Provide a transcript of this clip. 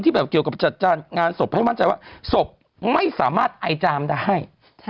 แบบเกี่ยวกับจัดงานศพให้มั่นใจว่าศพไม่สามารถไอจามได้